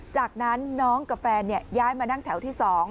จากนั้นน้องกับแฟนย้ายมานั่งแถวที่๒